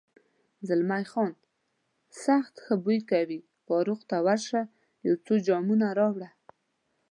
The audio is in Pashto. زلمی خان: سخت ښه بوی کوي، فاروق، ته ورشه یو څو جامونه راوړه.